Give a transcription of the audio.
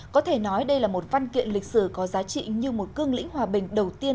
có thể nói đây là một văn kiện lịch sử có giá trị như một cương lĩnh hòa bình đầu tiên